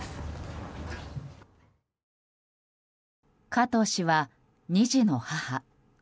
加藤氏は２児の母。